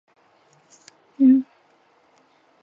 断言也可以描述类别中的不变量。